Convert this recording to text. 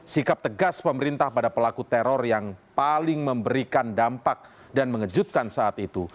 sikap tegas pemerintah pada pelaku teror yang paling memberikan dampak dan mengejutkan saat itu